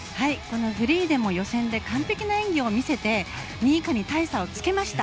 フリーでも予選で完璧な演技を見せて２位以下に大差をつけました。